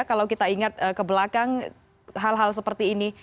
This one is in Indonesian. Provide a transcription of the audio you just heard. kalau kita ingat ke belakang hal hal seperti ini